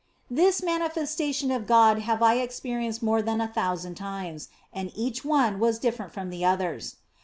OF FOLIGNO 193 This manifestation of God have I experienced more than a thousand times, and each one was different from the others.